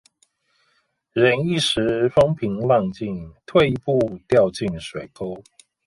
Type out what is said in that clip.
忍一時風平浪靜，退一步掉進水溝